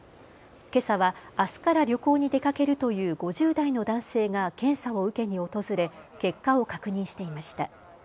けさは、あすから旅行に出かけるという５０代の男性が検査を受けに訪れ結果を確認していました。